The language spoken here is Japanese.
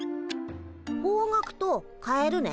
「方角」と「変える」ね。